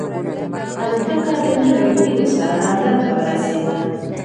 الوتکه د نویو هیلو سره لندن ته ورسېده.